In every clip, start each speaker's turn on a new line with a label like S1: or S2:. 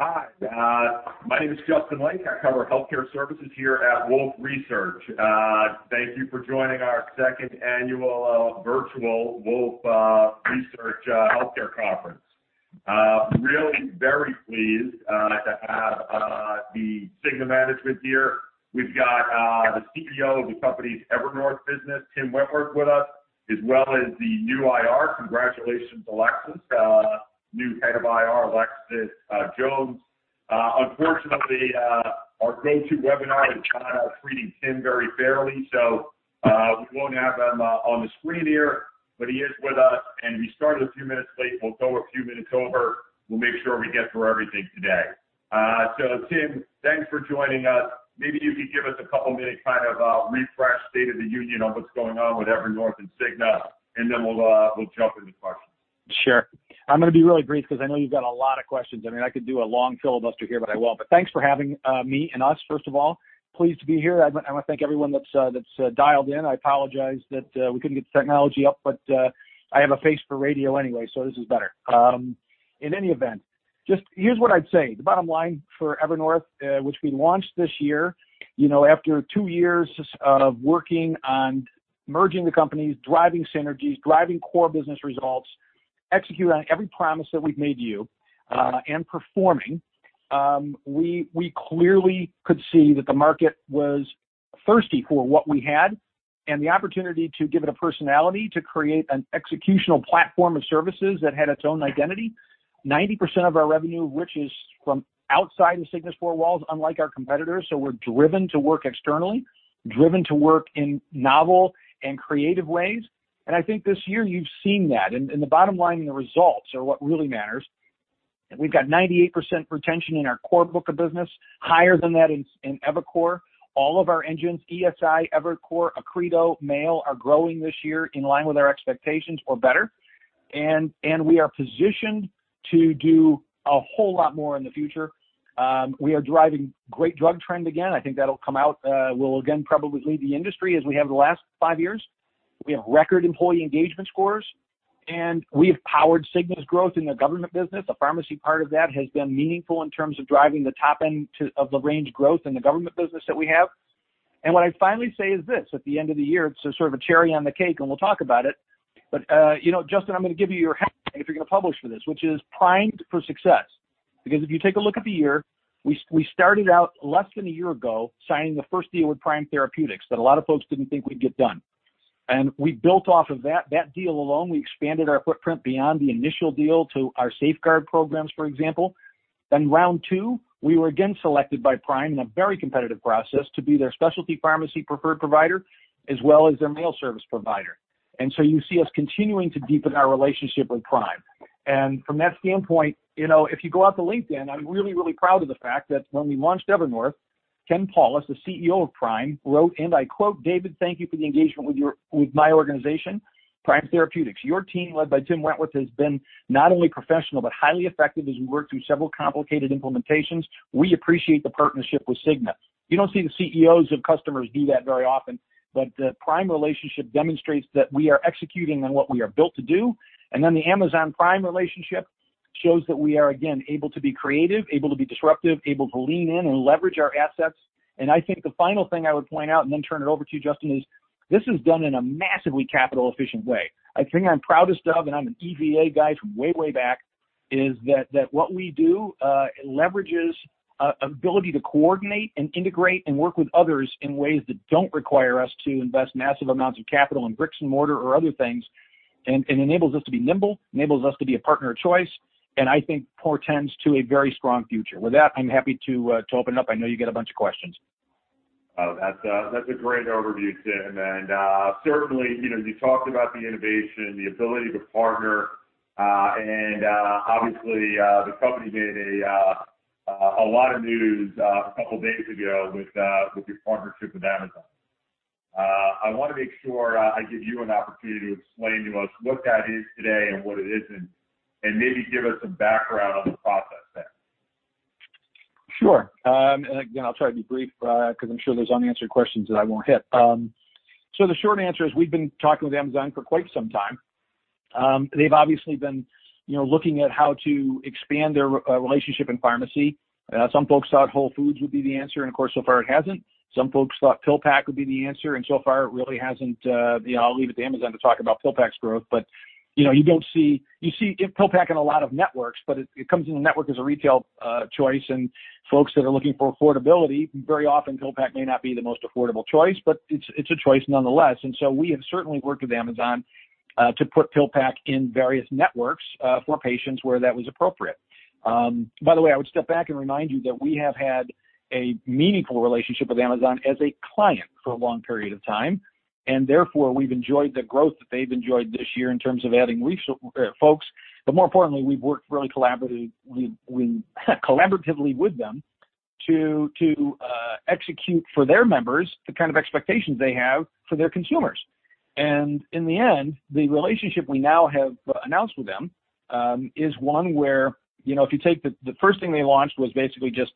S1: Hi, my name is Justin Lake. I cover healthcare services here at Wolfe Research. Thank you for joining our Second Annual Virtual Wolfe Research Healthcare Conference. Really very pleased that I have The Cigna management here. We've got the CEO of the company's Evernorth business, Tim Wentworth, with us, as well as the new IR. Congratulations, Alexis, new Head of IR, Alexis Jones. Unfortunately, our [webinar] is kind of not treating Tim very fairly, so we won't have him on the screen here, but he is with us. If he started a few minutes late, we'll go a few minutes over. We'll make sure we get through everything today. Tim, thanks for joining us. Maybe you could give us a couple of minutes to kind of refresh the State of the Union on what's going on with Evernorth and Cigna, and then we'll jump into questions.
S2: Sure. I'm going to be really brief because I know you've got a lot of questions. I mean, I could do a long filibuster here, but I won't. Thanks for having me and us, first of all. Pleased to be here. I want to thank everyone that's dialed in. I apologize that we couldn't get the technology up, but I have a face for radio anyway, so this is better. In any event, here's what I'd say. The bottom line for Evernorth, which we launched this year after two years of working on merging the companies, driving synergies, driving core business results, executing on every promise that we've made to you, and performing, we clearly could see that the market was thirsty for what we had and the opportunity to give it a personality, to create an executional platform of services that had its own identity. 90% of our revenue reaches from outside Cigna's four walls, unlike our competitors. We're driven to work externally, driven to work in novel and creative ways. I think this year you've seen that. The bottom line and the results are what really matters. We've got 98% retention in our core book of business, higher than that in EviCore. All of our engines, [EHI], EviCore, Accredo, Mail, are growing this year in line with our expectations or better. We are positioned to do a whole lot more in the future. We are driving great drug trend again. I think that'll come out. We'll again probably lead the industry as we have the last five years. We have record employee engagement scores, and we have powered Cigna's growth in the government business. The pharmacy part of that has been meaningful in terms of driving the top end of the range growth in the government business that we have. What I'd finally say is this: at the end of the year, it's a sort of a cherry on the cake, and we'll talk about it. You know, Justin, I'm going to give you your help if you're going to publish for this, which is primed for success. If you take a look at the year, we started out less than a year ago signing the first deal with Prime Therapeutics that a lot of folks didn't think we'd get done. We built off of that deal alone. We expanded our footprint beyond the initial deal to our safeguard programs, for example. Round two, we were again selected by Prime in a very competitive process to be their specialty pharmacy preferred provider, as well as their mail service provider. You see us continuing to deepen our relationship with Prime. From that standpoint, if you go out to LinkedIn, I'm really, really proud of the fact that when we launched Evernorth, Ken Paulus, the CEO of Prime, wrote, and I quote, "David, thank you for the engagement with my organization, Prime Therapeutics. Your team led by Tim Wentworth has been not only professional but highly effective as we work through several complicated implementations. We appreciate the partnership with Cigna." You don't see the CEOs of customers do that very often, but the Prime relationship demonstrates that we are executing on what we are built to do. The Amazon Prime relationship shows that we are, again, able to be creative, able to be disruptive, able to lean in and leverage our assets. I think the final thing I would point out and then turn it over to you, Justin, is this is done in a massively capital-efficient way. I think I'm proudest of, and I'm an EVA guy from way, way back, is that what we do leverages an ability to coordinate and integrate and work with others in ways that don't require us to invest massive amounts of capital in bricks and mortar or other things, and it enables us to be nimble, enables us to be a partner of choice, and I think portends to a very strong future. With that, I'm happy to open it up. I know you got a bunch of questions.
S1: Oh, that's a great overview, Tim. You talked about the innovation, the ability to partner, and obviously, the company made a lot of news a couple of days ago with your partnership with Amazon. I want to make sure I give you an opportunity to explain to us what that is today and what it isn't, and maybe give us some background on the process there.
S3: Sure. I'll try to be brief because I'm sure there are unanswered questions that I won't hit. The short answer is we've been talking with Amazon for quite some time. They've obviously been looking at how to expand their relationship in pharmacy. Some folks thought Whole Foods would be the answer, and of course, so far it hasn't. Some folks thought PillPack would be the answer, and so far it really hasn't. I'll leave it to Amazon to talk about PillPack's growth. You see PillPack in a lot of networks, but it comes into the network as a retail choice. Folks that are looking for affordability, very often PillPack may not be the most affordable choice, but it's a choice nonetheless. We have certainly worked with Amazon to put PillPack in various networks for patients where that was appropriate. By the way, I would step back and remind you that we have had a meaningful relationship with Amazon as a client for a long period of time. Therefore, we've enjoyed the growth that they've enjoyed this year in terms of adding recent folks. More importantly, we've worked really collaboratively with them to execute for their members the kind of expectations they have for their consumers. In the end, the relationship we now have announced with them is one where, if you take the first thing they launched, it was basically just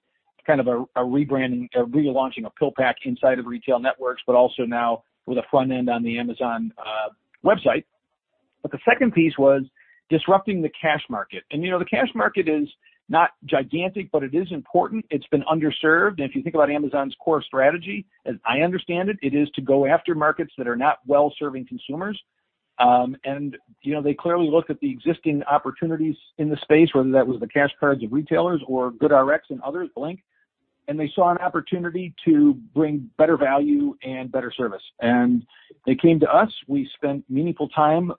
S3: kind of a rebranding, a relaunching of PillPack inside of retail networks, but also now with a front end on the Amazon website. The second piece was disrupting the cash market. The cash market is not gigantic, but it is important. It's been underserved. If you think about Amazon's core strategy, as I understand it, it is to go after markets that are not well-serving consumers. They clearly looked at the existing opportunities in the space, whether that was the cash cards of retailers or GoodRx and others, Blink, and they saw an opportunity to bring better value and better service. They came to us. We spent meaningful time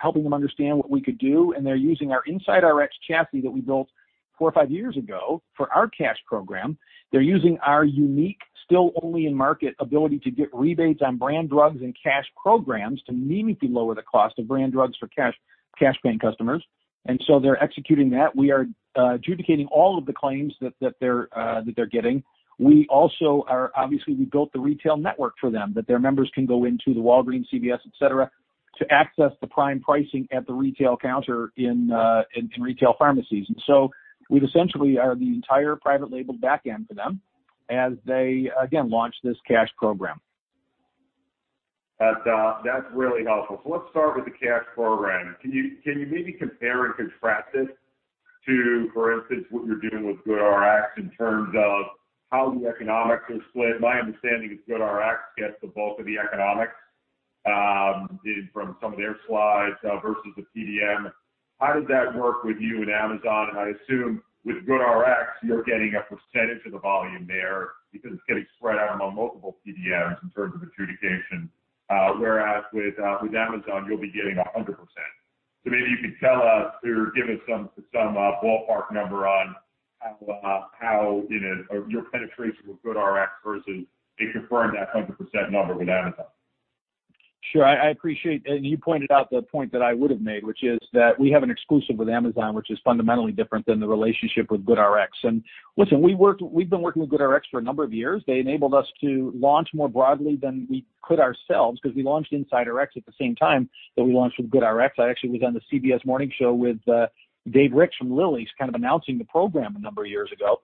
S3: helping them understand what we could do. They're using our Inside Rx chassis that we built four or five years ago for our cash program. They're using our unique, still only in market, ability to get rebates on brand drugs and cash programs to meaningfully lower the cost of brand drugs for cash-paying customers. They're executing that. We are adjudicating all of the claims that they're getting. We also are, obviously, we built the retail network for them that their members can go into the Walgreens, CVS, etc., to access the Prime pricing at the retail counter in retail pharmacies. We've essentially are the entire private label backend for them as they launch this cash program.
S1: That's really helpful. Let's start with the cash program. Can you maybe compare and contrast this to, for instance, what you're doing with GoodRx in terms of how the economics are split? My understanding is GoodRx gets the bulk of the economics, from some of their slides versus the PBM. How does that work with you and Amazon? I assume with GoodRx, you're getting a percentage of the volume there because it's getting spread out among multiple PBMs in terms of adjudication, whereas with Amazon, you'll be getting 100%. Maybe you could tell us or give us some ballpark number on how your penetration with GoodRx compares, and confirm that 100% number with Amazon.
S2: Sure. I appreciate it. You pointed out the point that I would have made, which is that we have an exclusive with Amazon, which is fundamentally different than the relationship with GoodRx. Listen, we've been working with GoodRx for a number of years. They enabled us to launch more broadly than we could ourselves because we launched Inside Rx at the same time that we launched with GoodRx. I actually was on the CBS Morning Show with Dave Ricks from Lilly, kind of announcing the program a number of years ago.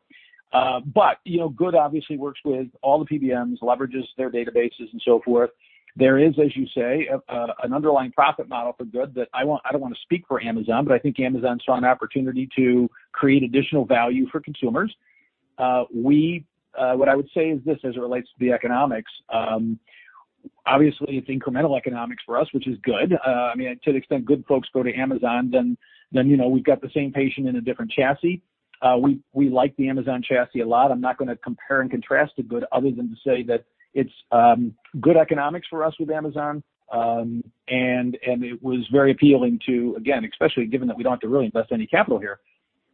S2: GoodRx obviously works with all the PBMs, leverages their databases, and so forth. There is, as you say, an underlying profit model for GoodRx that I want, I don't want to speak for Amazon, but I think Amazon saw an opportunity to create additional value for consumers. What I would say is this as it relates to the economics. Obviously, it's incremental economics for us, which is good. I mean, to the extent [GoodRx] folks go to Amazon, then we've got the same patient in a different chassis. We like the Amazon chassis a lot. I'm not going to compare and contrast to other than to say that it's good economics for us with Amazon, and it was very appealing to, again, especially given that we don't have to really invest any capital here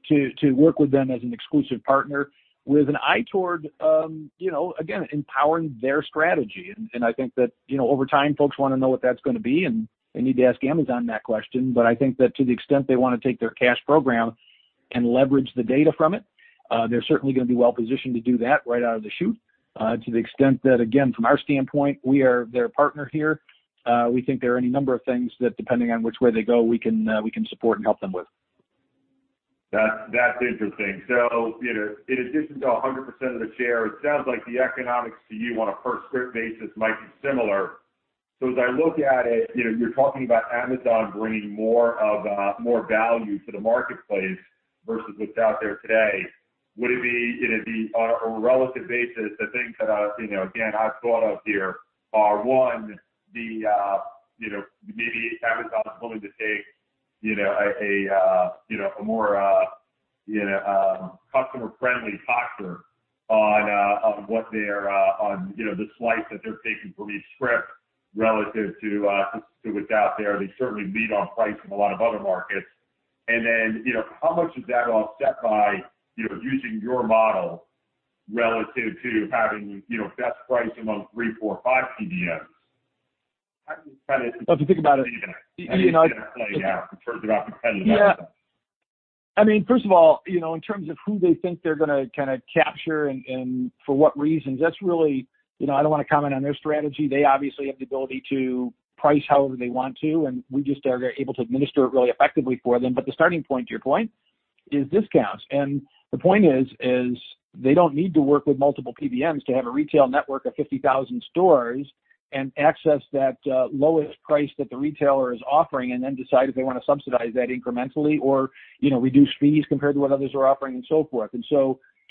S2: to work with them as an exclusive partner with an eye toward, again, empowering their strategy. I think that, over time, folks want to know what that's going to be, and they need to ask Amazon that question. I think that to the extent they want to take their cash program and leverage the data from it, they're certainly going to be well-positioned to do that right out of the chute. To the extent that, from our standpoint, we are their partner here. We think there are any number of things that, depending on which way they go, we can support and help them with.
S1: That's interesting. In addition to 100% of the share, it sounds like the economics to you on a percent basis might be similar. As I look at it, you're talking about Amazon bringing more value to the marketplace versus what's out there today. Would it be on a relative basis? The things that I've thought of here are, one, maybe Amazon's willing to take a more customer-friendly posture on the slice that their patients will be spread relative to what's out there. They certainly lead on price from a lot of other markets. How much of that is offset by using your model relative to having best price among three, four, five PBMs? If you think about it, you can, I can say, you know, in terms of how competitive Amazon is.
S3: Yeah. First of all, you know, in terms of who they think they're going to capture and for what reasons, that's really, you know, I don't want to comment on their strategy. They obviously have the ability to price however they want to, and we just are able to administer it really effectively for them. The starting point, to your point, is discounts. The point is, they don't need to work with multiple PBMs to have a retail network of 50,000 stores and access that lowest price that the retailer is offering and then decide if they want to subsidize that incrementally or, you know, reduce fees compared to what others are offering and so forth.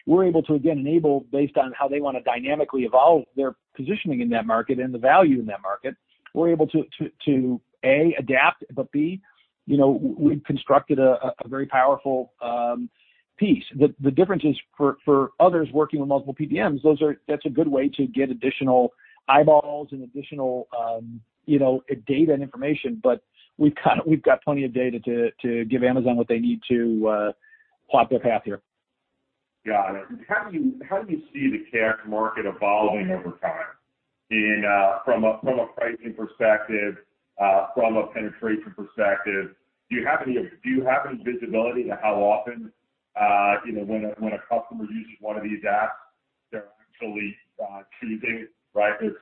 S3: We're able to, again, enable, based on how they want to dynamically evolve their positioning in that market and the value in that market, we're able to adapt, but we've constructed a very powerful piece. The difference is for others working with multiple PBMs, that's a good way to get additional eyeballs and additional data and information. We've got plenty of data to give Amazon what they need to plot their path here.
S1: How do you see the cash market evolving over time? From a pricing perspective, from a penetration perspective, do you have any visibility to how often, you know, when a customer uses one of these apps, they're actually choosing? It's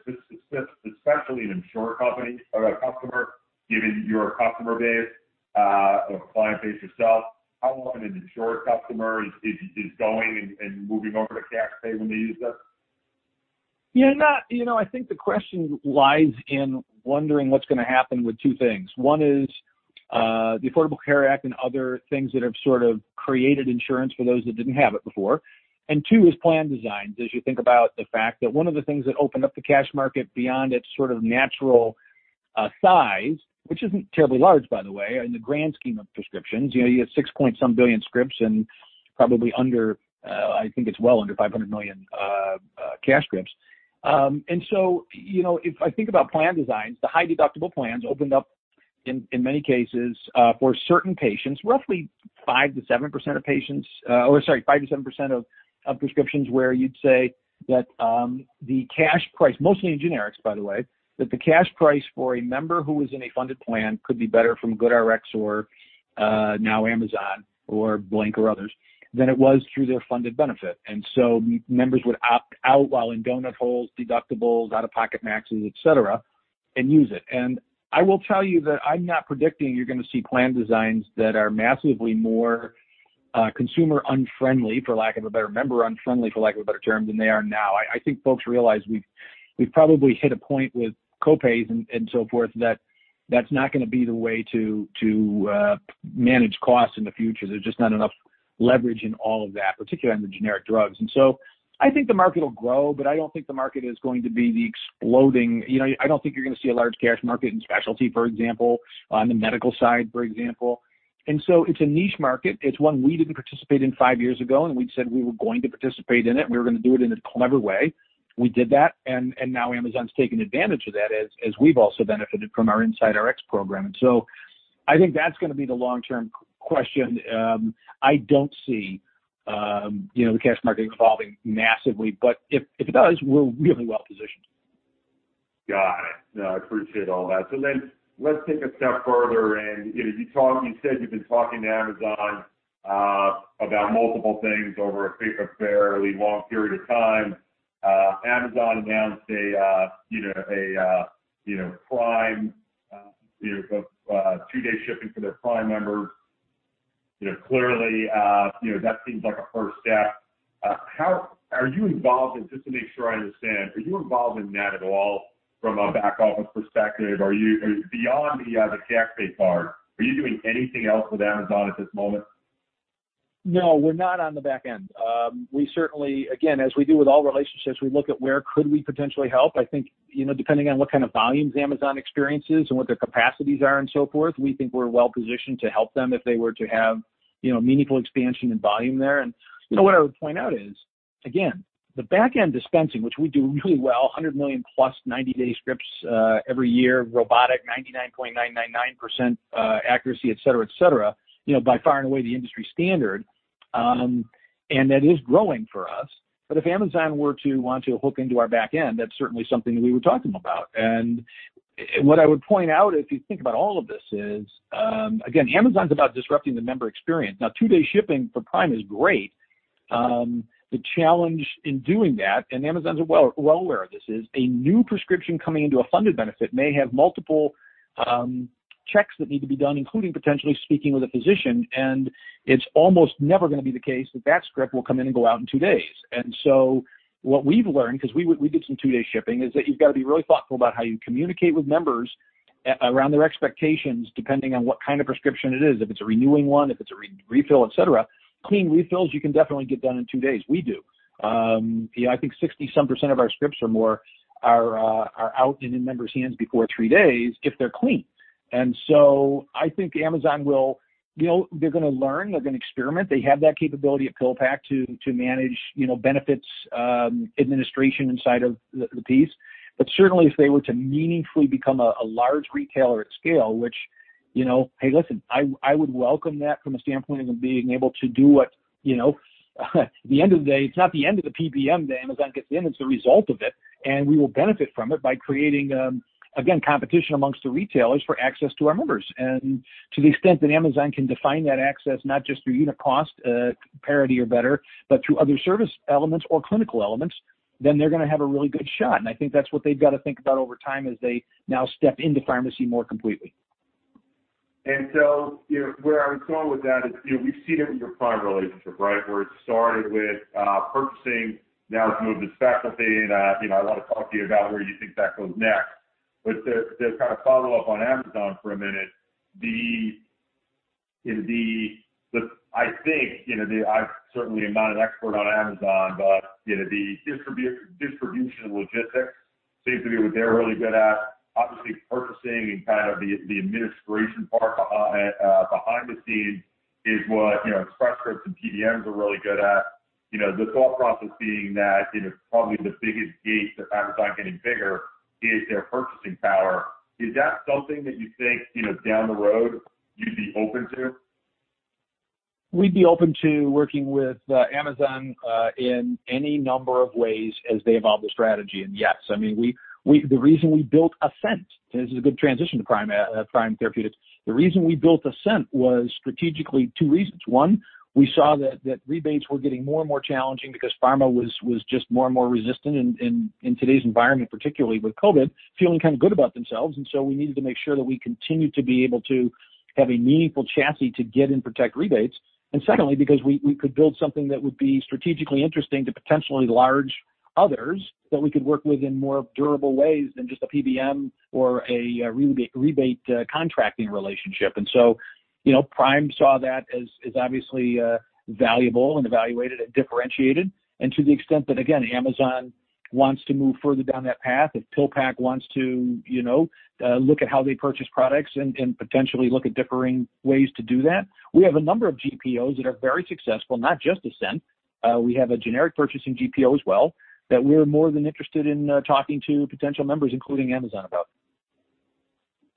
S1: especially an insurer company or a customer, given your customer base or client base itself, how often an insurer customer is going and moving over to cash pay when they use it?
S2: Yeah, not, you know, I think the question lies in wondering what's going to happen with two things. One is, the Affordable Care Act and other things that have sort of created insurance for those that didn't have it before. Two is plan designs, as you think about the fact that one of the things that opened up the cash market beyond its sort of natural size, which isn't terribly large, by the way, in the grand scheme of prescriptions. You know, you have 6 point some billion scripts and probably under, I think it's well under 500 million, cash scripts. If I think about plan designs, the high deductible plans opened up, in many cases, for certain patients, roughly 5%-7% of prescriptions where you'd say that the cash price, mostly in generics, by the way, that the cash price for a member who is in a funded plan could be better from GoodRx or, now Amazon or Blink or others than it was through their funded benefit. Members would opt out while in donut holes, deductibles, out-of-pocket maxes, etc., and use it. I will tell you that I'm not predicting you're going to see plan designs that are massively more consumer unfriendly, for lack of a better term, member unfriendly, for lack of a better term, than they are now. I think folks realize we've probably hit a point with copays and so forth that that's not going to be the way to manage costs in the future. There's just not enough leverage in all of that, particularly on the generic drugs. I think the market will grow, but I don't think the market is going to be the exploding, you know, I don't think you're going to see a large cash market in specialty, for example, on the medical side, for example. It's a niche market. It's one we didn't participate in five years ago, and we said we were going to participate in it, and we were going to do it in a clever way. We did that. Now Amazon's taken advantage of that as we've also benefited from our Inside Rx program. I think that's going to be the long-term question. I don't see, you know, the cash market evolving massively, but if it does, we're really well positioned.
S1: Got it. I appreciate all that. Let's take a step further. You said you've been talking to Amazon about multiple things over a fairly long period of time. Amazon announced a Prime two-day shipping for their Prime members. Clearly, that seems like a first step. How are you involved in, just to make sure I understand, are you involved in that at all from a back-office perspective? Beyond the cash-pay part, are you doing anything else with Amazon at this moment?
S2: No, we're not on the back end. We certainly, again, as we do with all relationships, look at where we could potentially help. I think, depending on what kind of volumes Amazon experiences and what their capacities are and so forth, we think we're well positioned to help them if they were to have meaningful expansion in volume there. What I would point out is, again, the back end dispensing, which we do really well, 100 million+ 90-day scripts every year, robotic, 99.999% accuracy, etc., by far and away the industry standard, and that is growing for us. If Amazon were to want to hook into our back end, that's certainly something that we were talking about. What I would point out, if you think about all of this, is, again, Amazon's about disrupting the member experience. Two-day shipping for Prime is great. The challenge in doing that, and Amazon's well aware of this, is a new prescription coming into a funded benefit may have multiple checks that need to be done, including potentially speaking with a physician. It's almost never going to be the case that that script will come in and go out in two days. What we've learned, because we did some two-day shipping, is that you've got to be really thoughtful about how you communicate with members around their expectations, depending on what kind of prescription it is. If it's a renewing one, if it's a refill, etc. Clean refills, you can definitely get done in two days. We do. I think 60-some% of our scripts or more are out and in members' hands before three days if they're clean. I think Amazon will, they're going to learn. They're going to experiment. They have that capability at PillPack to manage benefits administration inside of the piece. Certainly, if they were to meaningfully become a large retailer at scale, which, hey, listen, I would welcome that from a standpoint of them being able to do what, at the end of the day, it's not the end of the PBM that Amazon gets in. It's the result of it. We will benefit from it by creating, again, competition amongst the retailers for access to our members. To the extent that Amazon can define that access, not just through unit cost, parity or better, but through other service elements or clinical elements, then they're going to have a really good shot. I think that's what they've got to think about over time as they now step into pharmacy more completely.
S1: Where I was going with that is, we've seen it in your Prime relationship, right? It started with purchasing, now it's moved to specialty. I want to talk to you about where you think that goes next. To kind of follow up on Amazon for a minute, I think, I'm certainly not an expert on Amazon, but the distribution logistics seems to be what they're really good at. Obviously, purchasing and kind of the administration part behind the scenes is what Express Scripts and PBMs are really good at. The thought process being that probably the biggest gain that Amazon is getting bigger is their purchasing power. Is that something that you think, down the road, you'd be open to?
S2: We'd be open to working with Amazon in any number of ways as they evolve the strategy. The reason we built Ascent, and this is a good transition to Prime Therapeutics, was strategically two reasons. One, we saw that rebates were getting more and more challenging because pharma was just more and more resistant in today's environment, particularly with COVID, feeling kind of good about themselves. We needed to make sure that we continued to be able to have a meaningful chassis to get and protect rebates. Secondly, because we could build something that would be strategically interesting to potentially large others that we could work with in more durable ways than just a PBM or a rebate contracting relationship. Prime saw that as obviously valuable and evaluated and differentiated. To the extent that, again, Amazon wants to move further down that path and PillPack wants to look at how they purchase products and potentially look at differing ways to do that, we have a number of group purchasing organizations that are very successful, not just Ascent. We have a generic purchasing group purchasing organization as well that we're more than interested in talking to potential members, including Amazon, about.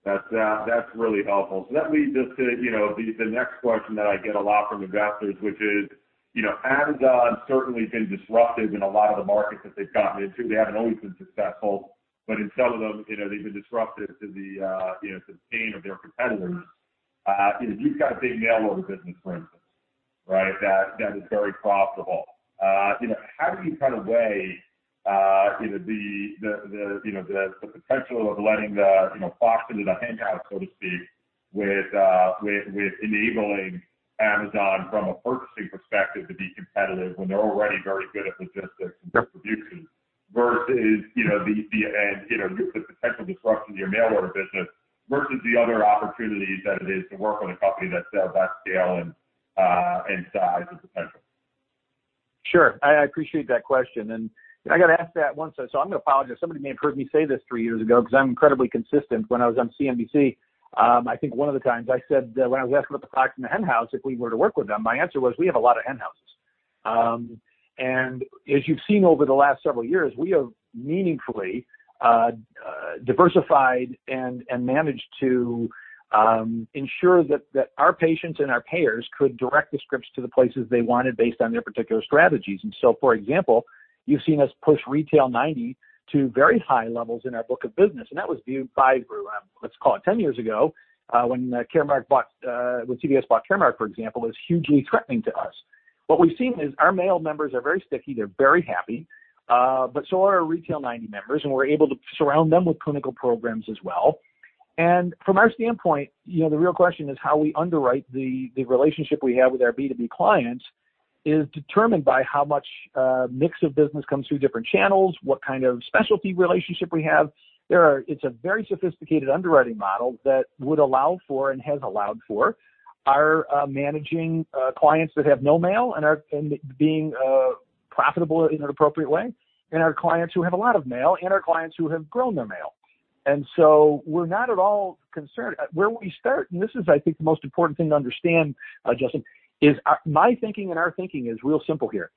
S1: That's really helpful. That leads us to the next question that I get a lot from investors, which is, you know, Amazon certainly has been disruptive in a lot of the markets that they've gotten into. They haven't always been successful, but in some of them, they've been disruptive to the pain of their competitors. You've got a big mail order business, for instance, right? That is very profitable. How do you kind of weigh the potential of letting the foster the handout, so to speak, with enabling Amazon from a purchasing perspective to be competitive when they're already very good at logistics and distribution versus the potential disruption to your mail order business versus the other opportunities that it is to work with a company that's at that scale and size and potential?
S2: Sure. I appreciate that question. I got to ask that once. I'm going to apologize. Somebody may have heard me say this three years ago because I'm incredibly consistent when I was on CNBC. I think one of the times I said that when I was asked about the products in the henhouse, if we were to work with them, my answer was we have a lot of henhouses. As you've seen over the last several years, we have meaningfully diversified and managed to ensure that our patients and our payers could direct the scripts to the places they wanted based on their particular strategies. For example, you've seen us push Retail 90 to very high levels in our book of business. That was viewed by, let's call it, 10 years ago, when CVS bought Caremark, for example, as hugely threatening to us. What we've seen is our mail members are very sticky. They're very happy, but so are our Retail 90 members. We're able to surround them with clinical programs as well. From our standpoint, the real question is how we underwrite the relationship we have with our B2B clients is determined by how much mix of business comes through different channels, what kind of specialty relationship we have. It's a very sophisticated underwriting model that would allow for and has allowed for our managing clients that have no mail and being profitable in an appropriate way, and our clients who have a lot of mail and our clients who have grown their mail. We're not at all concerned. Where we start, and this is, I think, the most important thing to understand, Justin, is my thinking and our thinking is real simple here.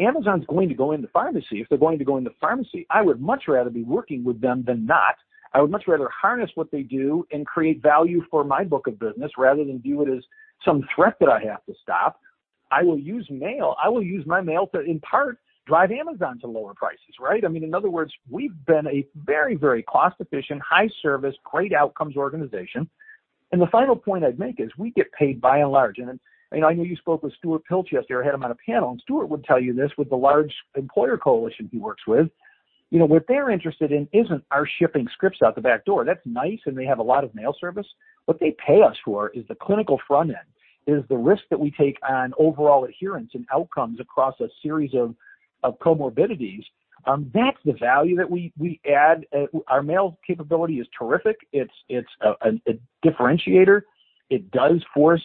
S2: Amazon's going to go into pharmacy. If they're going to go into pharmacy, I would much rather be working with them than not. I would much rather harness what they do and create value for my book of business rather than view it as some threat that I have to stop. I will use Mail. I will use my Mail to, in part, drive Amazon to lower prices, right? In other words, we've been a very, very cost-efficient, high-service, great outcomes organization. The final point I'd make is we get paid by and large. I know you spoke with Stuart Piltch yesterday. I had him on a panel. Stuart would tell you this with the large employer coalition he works with. What they're interested in isn't our shipping scripts out the back door. That's nice, and they have a lot of mail service. What they pay us for is the clinical front end. It is the risk that we take on overall adherence and outcomes across a series of comorbidities. That's the value that we add. Our mail capability is terrific. It's a differentiator. It does force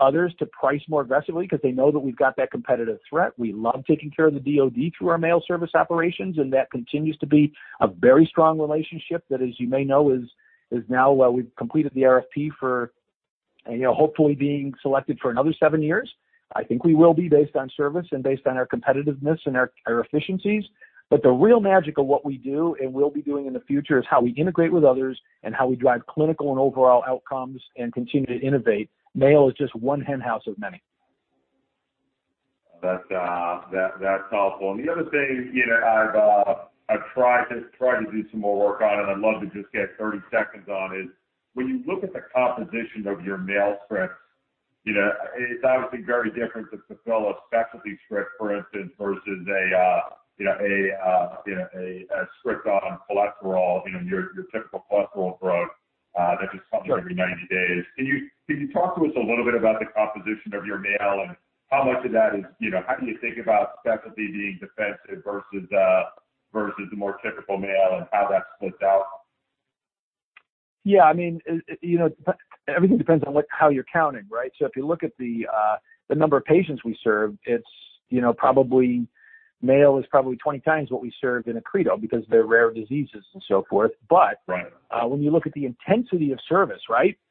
S2: others to price more aggressively because they know that we've got that competitive threat. We love taking care of the DOD through our mail service operations. That continues to be a very strong relationship that, as you may know, is now we've completed the RFP for, hopefully being selected for another seven years. I think we will be based on service and based on our competitiveness and our efficiencies. The real magic of what we do and will be doing in the future is how we integrate with others and how we drive clinical and overall outcomes and continue to innovate. Mail is just one henhouse of many.
S1: That's helpful. The other thing I've tried to do some more work on, and I'd love to just get 30 seconds on, is when you look at the composition of your mail script, you know, it's obviously very different than fulfilling a specialty script, for instance, versus a script on cholesterol, you know, your typical cholesterol drug that just comes every 90 days. Can you talk to us a little bit about the composition of your mail and how much of that is, you know, how do you think about specialty being defensive versus the more typical mail and how that splits out?
S2: Yeah. I mean, you know, everything depends on how you're counting, right? If you look at the number of patients we serve, it's probably mail is probably 20x what we serve in Accredo because they're rare diseases and so forth. When you look at the intensity of service,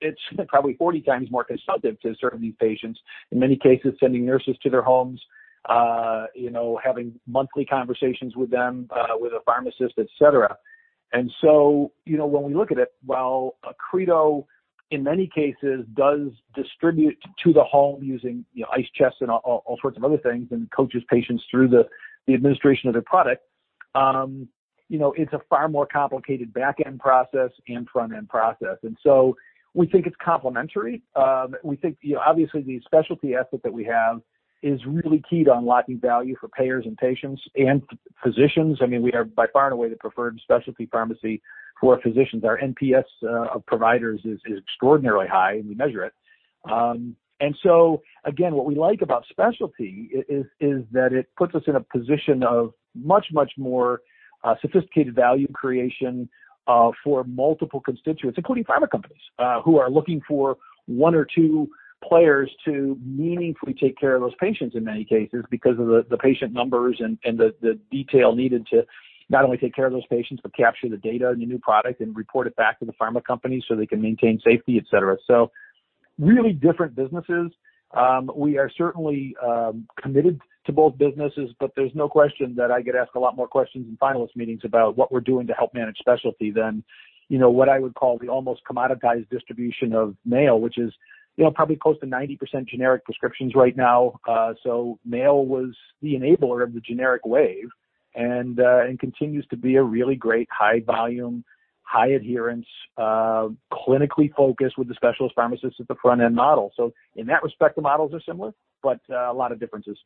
S2: it's probably 40x more consultative to serve these patients. In many cases, sending nurses to their homes, having monthly conversations with them, with a pharmacist, etc. When we look at it, while Accredo in many cases does distribute to the home using ice chests and all sorts of other things and coaches patients through the administration of their product, it's a far more complicated backend process and frontend process. We think it's complementary. We think, obviously, the specialty effort that we have is really key to unlocking value for payers and patients and physicians. We are by far and away the preferred specialty pharmacy for physicians. Our NPS of providers is extraordinarily high, and we measure it. What we like about specialty is that it puts us in a position of much, much more sophisticated value creation for multiple constituents, including pharma companies, who are looking for one or two players to meaningfully take care of those patients in many cases because of the patient numbers and the detail needed to not only take care of those patients, but capture the data in the new product and report it back to the pharma company so they can maintain safety, etc. Really different businesses. We are certainly committed to both businesses, but there's no question that I could ask a lot more questions in finalist meetings about what we're doing to help manage specialty than what I would call the almost commoditized distribution of mail, which is probably close to 90% generic prescriptions right now. Mail was the enabler of the generic wave and continues to be a really great high volume, high adherence, clinically focused with the specialist pharmacist at the frontend model. In that respect, the models are similar, but a lot of differences.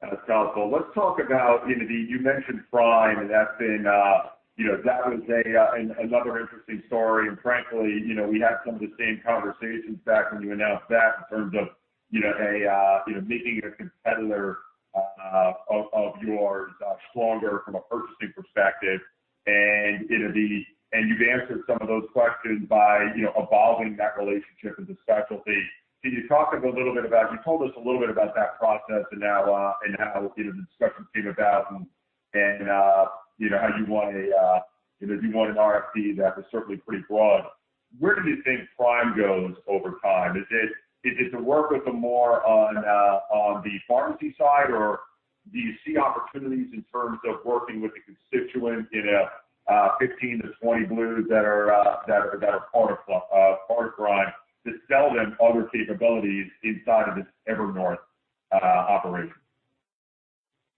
S1: That's helpful. Let's talk about, you know, you mentioned Prime, and that was another interesting story. Frankly, we had some of the same conversations back when you announced that in terms of making it a competitor of yours stronger from a purchasing perspective. You've answered some of those questions by evolving that relationship into specialty. Can you talk a little bit about, you told us a little bit about that process and how the discussion came about and how you want a, you know, if you want an RFP that was certainly pretty broad. Where do you think Prime goes over time? Is it to work with them more on the pharmacy side, or do you see opportunities in terms of working with the constituents in the 15-20 Blues that are part of Prime to sell them other capabilities inside of this Evernorth operation?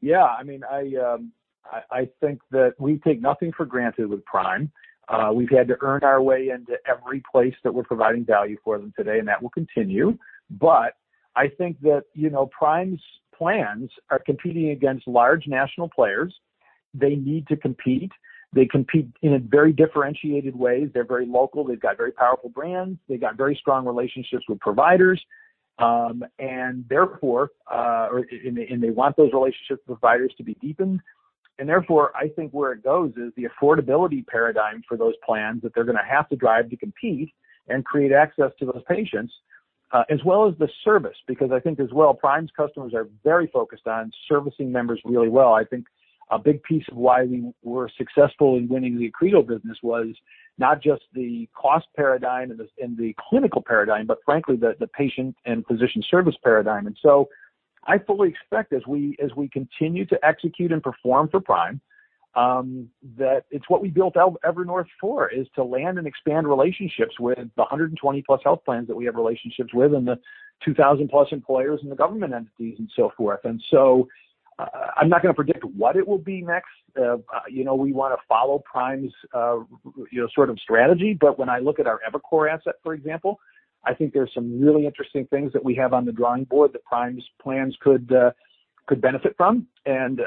S2: Yeah. I mean, I think that we take nothing for granted with Prime. We've had to earn our way into every place that we're providing value for them today, and that will continue. I think that, you know, Prime's plans are competing against large national players. They need to compete. They compete in a very differentiated way. They're very local. They've got very powerful brands. They've got very strong relationships with providers, and they want those relationships with providers to be deepened. Therefore, I think where it goes is the affordability paradigm for those plans that they're going to have to drive to compete and create access to those patients, as well as the service. I think as well, Prime's customers are very focused on servicing members really well. I think a big piece of why we were successful in winning the Accredo business was not just the cost paradigm and the clinical paradigm, but frankly, the patient and physician service paradigm. I fully expect as we continue to execute and perform for Prime, that it's what we built Evernorth for, to land and expand relationships with the 120+ health plans that we have relationships with and the 2,000+ employers and the government entities and so forth. I'm not going to predict what it will be next. You know, we want to follow Prime's, you know, sort of strategy. When I look at our EviCore asset, for example, I think there's some really interesting things that we have on the drawing board that Prime's plans could benefit from and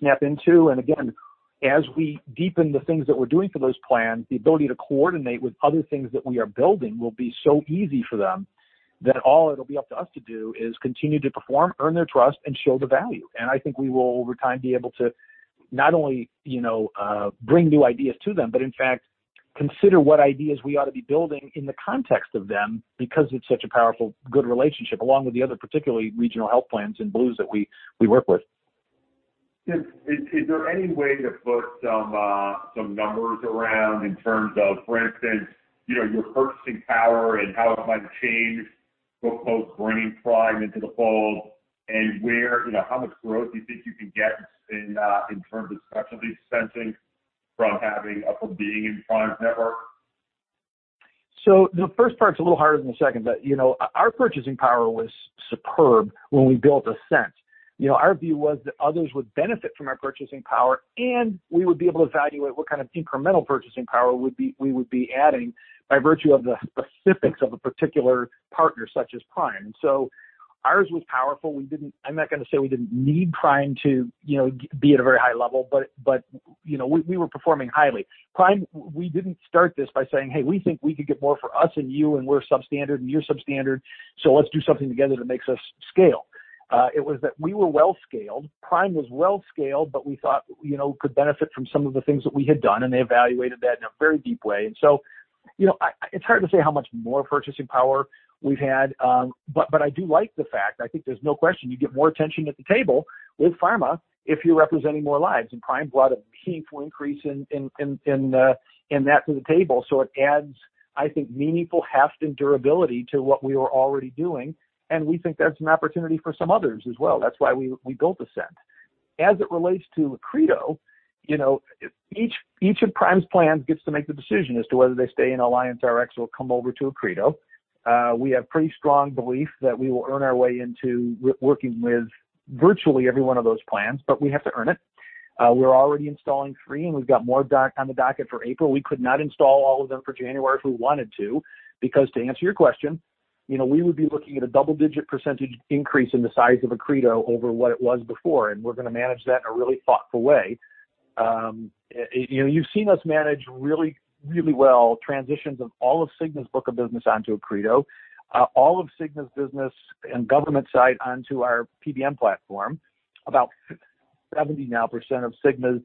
S2: snap into. Again, as we deepen the things that we're doing for those plans, the ability to coordinate with other things that we are building will be so easy for them that all it'll be up to us to do is continue to perform, earn their trust, and show the value. I think we will, over time, be able to not only bring new ideas to them, but in fact, consider what ideas we ought to be building in the context of them because it's such a powerful, good relationship along with the other particularly regional health plans and blues that we work with.
S1: Is there any way to put some numbers around, in terms of, for instance, your purchasing power and how it might have changed for both bringing Prime into the fold and where, you know, how much growth do you think you can get in terms of specialty suspension from being in Prime's network?
S2: The first part's a little harder than the second. Our purchasing power was superb when we built Ascent. Our view was that others would benefit from our purchasing power, and we would be able to evaluate what kind of incremental purchasing power we would be adding by virtue of the specifics of a particular partner such as Prime. Ours was powerful. I'm not going to say we didn't need Prime to be at a very high level, but we were performing highly. Prime, we didn't start this by saying, "Hey, we think we could get more for us and you, and we're substandard and you're substandard, so let's do something together that makes us scale." It was that we were well scaled. Prime was well scaled, but we thought they could benefit from some of the things that we had done, and they evaluated that in a very deep way. It's hard to say how much more purchasing power we've had. I do like the fact, I think there's no question, you get more attention at the table with pharma if you're representing more lives. Prime brought a painful increase in that to the table. It adds, I think, meaningful heft and durability to what we were already doing. We think that's an opportunity for some others as well. That's why we built Ascent. As it relates to Accredo, each of Prime's plans gets to make the decision as to whether they stay in AllianceRx or come over to Accredo. We have pretty strong belief that we will earn our way into working with virtually every one of those plans, but we have to earn it. We're already installing three, and we've got more on the docket for April. We could not install all of them for January if we wanted to because, to answer your question, we would be looking at a double-digit percentage increase in the size of Accredo over what it was before. We're going to manage that in a really thoughtful way. You've seen us manage really, really well transitions of all of Cigna's book of business onto Accredo, all of Cigna's business and government side onto our PBM platform. About 70% now of Cigna's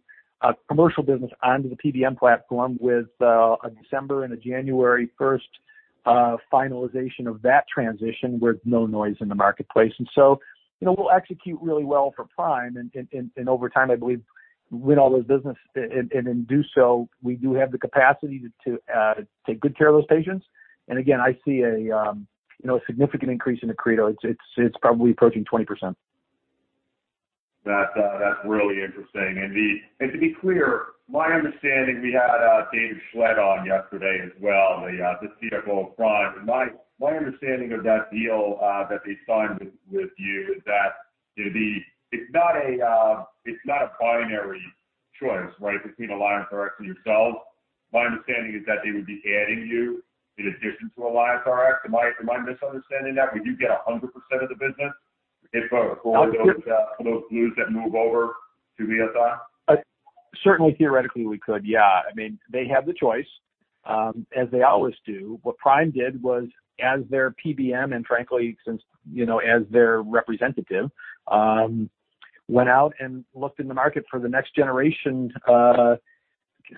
S2: commercial business onto the PBM platform with a December and a January 1st finalization of that transition with no noise in the marketplace. We'll execute really well for Prime. Over time, I believe we'll win all those business and do so, we do have the capacity to take good care of those patients. Again, I see a significant increase in Accredo. It's probably approaching 20%.
S1: That's really interesting. To be clear, my understanding, we had David Schlett on yesterday as well, the CFO of Prime. My understanding of that deal that they signed with you is that it's not a binary choice, right, between AllianceRx and yourselves. My understanding is that they would be adding you in addition to AllianceRx. Am I misunderstanding that? Would you get 100% of the business if those views that move over to be a third?
S2: Certainly, theoretically, we could, yeah. I mean, they have the choice, as they always do. What Prime did was, as their PBM and frankly, as their representative, went out and looked in the market for the next generation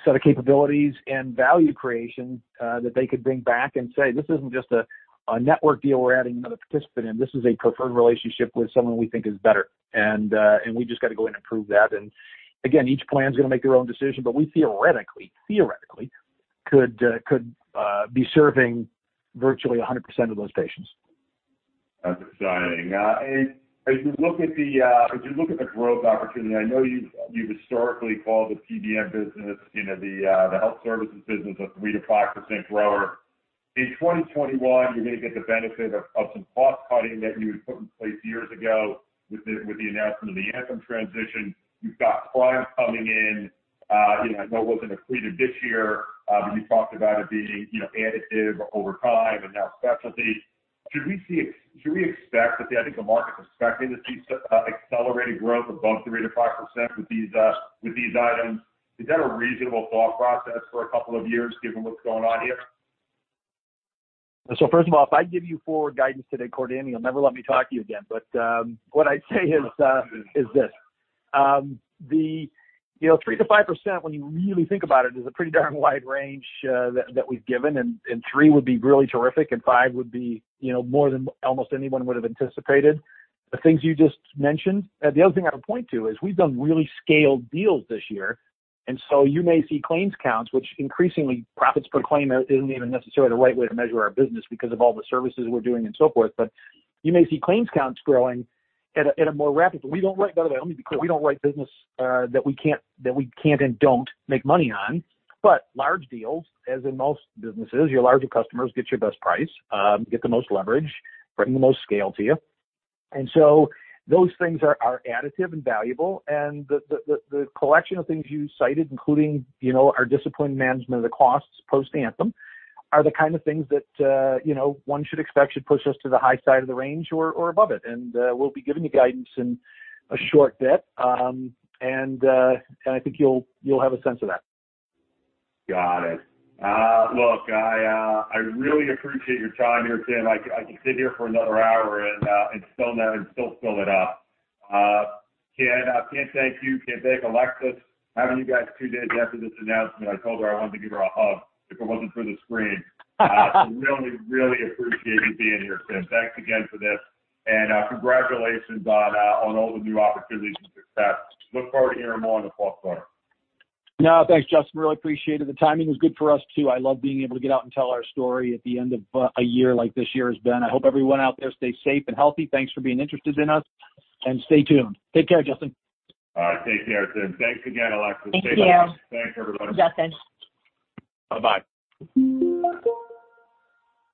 S2: set of capabilities and value creation that they could bring back and say, "This isn't just a network deal we're adding another participant in. This is a preferred relationship with someone we think is better." We just got to go in and prove that. Again, each plan is going to make their own decision, but we theoretically could be serving virtually 100% of those patients.
S1: That's exciting. As you look at the growth opportunity, I know you've historically called the PBM business, you know, the health services business a 3%-5% growth. In 2021, you're going to get the benefit of some cost-cutting that you had put in place years ago with the announcement of the Anthem transition. You've got clients coming in. I know it wasn't Accredo this year, but you talked about it being additive over time and now specialty. Should we expect that the, I think the market's expecting to see accelerated growth above 3%-5% with these items? Is that a reasonable thought process for a couple of years given what's going on here?
S2: First of all, if I give you forward guidance today, Cordani, will never let me talk to you again. What I'd say is this. The 3%-5% when you really think about it is a pretty darn wide range that we've given. Three would be really terrific, and five would be more than almost anyone would have anticipated. The things you just mentioned. The other thing I would point to is we've done really scaled deals this year. You may see claims counts, which increasingly profits per claim isn't even necessarily the right way to measure our business because of all the services we're doing and so forth. You may see claims counts growing at a more rapid... Let me be clear. We don't write business that we can't and don't make money on. Large deals, as in most businesses, your larger customers get your best price, get the most leverage, bring the most scale to you. Those things are additive and valuable. The collection of things you cited, including our disciplined management of the costs post-Anthem, are the kind of things that one should expect should push us to the high side of the range or above it. We'll be giving you guidance in a short bit, and I think you'll have a sense of that.
S1: Got it. I really appreciate your time here, Tim. I can sit here for another hour and still fill it up. Can I say thank you to Alexis, having you guys two days after this announcement. I told her I wanted to give her a hug if it wasn't for the screen. I really, really appreciate you being here, Tim. Thanks again for this. Congratulations on all the new opportunities and success. Looking forward to hearing more in the fall quarter.
S2: No, thanks, Justin. Really appreciate it. The timing is good for us too. I love being able to get out and tell our story at the end of a year like this year has been. I hope everyone out there stays safe and healthy. Thanks for being interested in us. Stay tuned. Take care, Justin.
S1: All right. Take care, Tim. Thanks again, Alexis. Take care.
S4: Thank you.
S1: Thanks, everybody.
S4: Justin.
S1: Bye-bye.